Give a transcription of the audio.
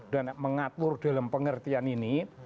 dan mengatur dalam pengertian ini